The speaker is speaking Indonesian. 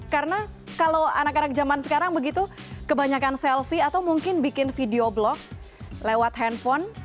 karena kalau anak anak zaman sekarang begitu kebanyakan selfie atau mungkin bikin video blog lewat handphone